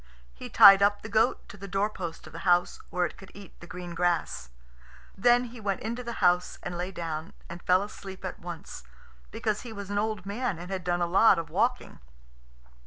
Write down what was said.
He tied up the goat to the doorpost of the house, where it could eat the green grass. Then he went into the house and lay down, and fell asleep at once, because he was an old man and had done a lot of walking.